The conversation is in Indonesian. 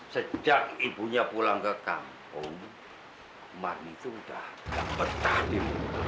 sejak ibunya pulang ke kampung marni tuh udah betah dimulai